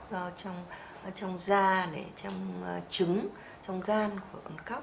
do trong da trong trứng trong gan của con cóc